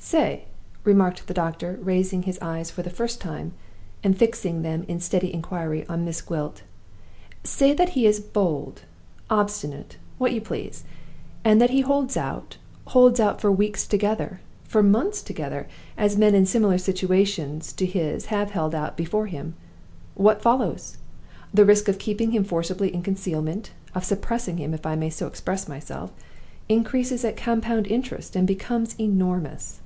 Say," remarked the doctor, raising his eyes for the first time, and fixing them in steady inquiry on Miss Gwilt "say that he is bold, obstinate, what you please; and that he holds out holds out for weeks together, for months together, as men in similar situations to his have held out before him. What follows? The risk of keeping him forcibly in concealment of suppressing him, if I may so express myself increases at compound interest, and becomes Enormous!